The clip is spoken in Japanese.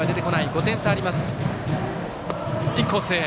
５点差あります。